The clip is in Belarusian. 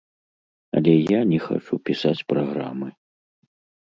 Але я не хачу пісаць праграмы.